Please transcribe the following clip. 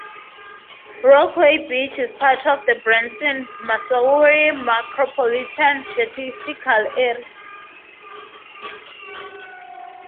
Rockaway Beach is part of the Branson, Missouri Micropolitan Statistical Area.